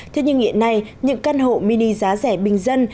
thế nhưng hiện nay những căn hộ mini giá rẻ bình dân